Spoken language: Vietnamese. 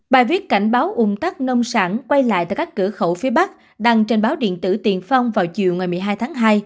bài viết cảnh báo ung tắc nông sản quay lại tại các cửa khẩu phía bắc đăng trên báo điện tử tiền phong vào chiều một mươi hai tháng hai